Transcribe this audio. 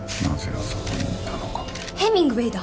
ヘミングウェイだ。